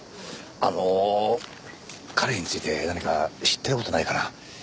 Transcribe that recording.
あの彼について何か知ってる事ないかな？